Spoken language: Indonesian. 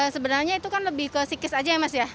sebenarnya itu kan lebih ke psikis aja ya mas ya